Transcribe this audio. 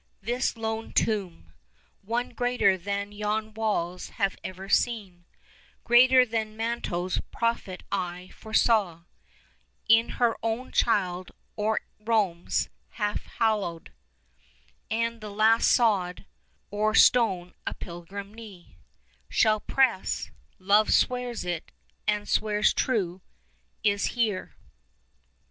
This lone tomb, 25 One greater than yon walls have ever seen, Greater than Manto's prophet eye foresaw In her own child or Rome's, hath hallowèd; And the last sod or stone a pilgrim knee 29 Shall press (Love swears it, and swears true) is here.